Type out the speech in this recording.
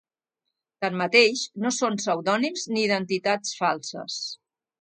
Tanmateix, no són pseudònims ni identitats falses.